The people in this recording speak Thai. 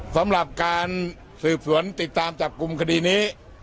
สำหรับการสืบสวนติดตามจับกลุ่มคดีนี้